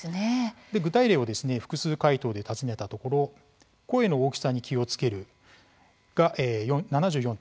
具体例を複数回答で尋ねたところ声の大きさに気をつけるが７４．１％